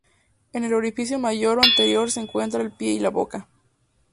En el orificio mayor o anterior se encuentran el pie y la boca.